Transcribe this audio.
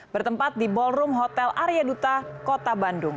bertempat di ballroom hotel arya duta kota bandung